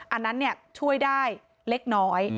อันนั้นช่วยได้เล็กน้อย